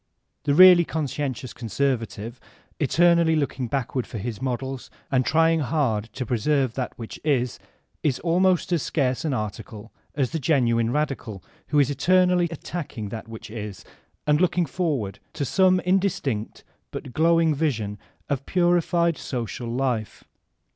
The really conscientious conservative, eternally looking back ward for his models and trying hard to preserve that which is, is almost as scarce an article as the genuine radical, who is eternally attacking that which is and look ing forward to some indistinct but glowing vision of a parified social life.